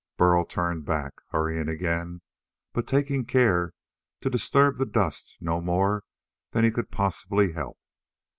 Burl turned back, hurrying again, but taking care to disturb the dust no more than he could possibly help.